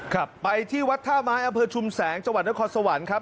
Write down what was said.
ครับไปที่วัดท่าไม้อำเภอชุมแสงจังหวัดนครสวรรค์ครับ